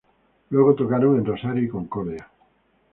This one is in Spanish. Luego tocaron en Rosario y Concordia.